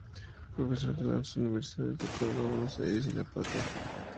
Profesor en las Universidades de Córdoba, Buenos Aires y La Plata.